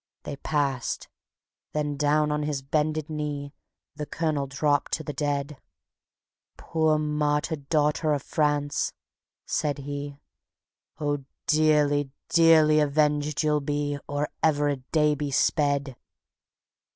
They passed; then down on his bended knee The Colonel dropped to the Dead: "Poor martyred daughter of France!" said he, "O dearly, dearly avenged you'll be Or ever a day be sped!"